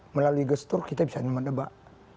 melalui gestur kita bisa menemani pak